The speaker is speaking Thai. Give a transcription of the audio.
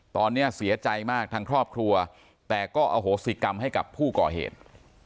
ตอนนี้เสียใจมากทางครอบครัวแต่ก็อโหสิกรรมให้กับผู้ก่อเหตุ